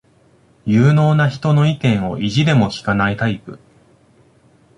有能な人の意見を意地でも聞かないタイプ